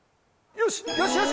よしよし！